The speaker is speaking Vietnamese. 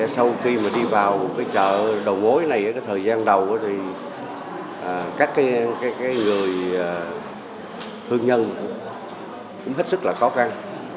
sau khi đi vào chợ đầu mối này thời gian đầu các người thương nhân cũng hết sức là khó khăn